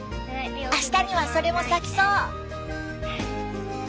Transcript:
あしたにはそれも咲きそう。